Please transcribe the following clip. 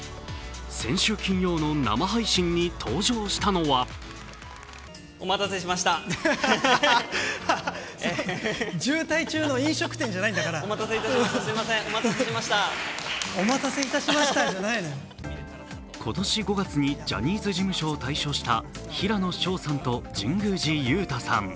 先週金曜の生配信に登場したのは今年５月にジャニーズ事務所を退所した平野紫耀さんと神宮寺勇太さん。